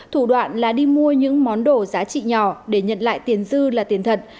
thủ đoạn là đi mua những món đồ giá trị nhỏ để nhận lại tiền dư là tiền thật